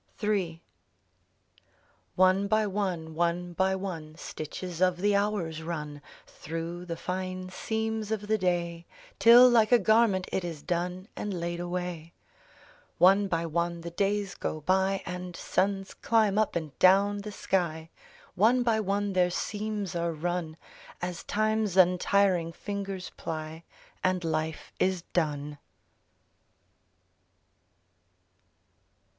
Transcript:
Hazel Hall III One by one, one by one, Stitches of the hours run Through the fine seams of the day; Till like a garment it is done And laid away. One by one the days go by, And suns climb up and down the sky ; One by one their seams are run — As Time's untiring fingers ply And life is done.